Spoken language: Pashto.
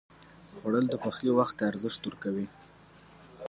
خوړل د پخلي وخت ته ارزښت ورکوي